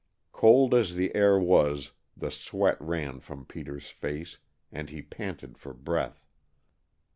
Cold as the air was the sweat ran from Peter's face, and he panted for breath.